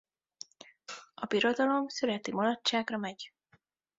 A birodalom szüreti mulatságra megy.